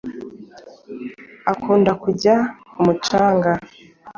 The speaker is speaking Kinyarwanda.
Akunda kujya ku mucanga.